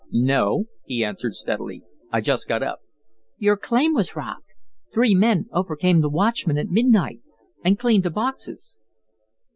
"No" he answered, steadily. "I just got up." "Your claim was robbed. Three men overcame the watchman at midnight and cleaned the boxes."